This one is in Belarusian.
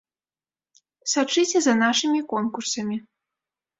Сачыце за нашымі конкурсамі!